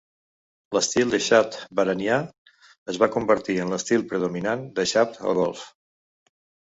L'estil de "sawt" bahrainià es va convertir en l'estil predominant de "sawt" al golf.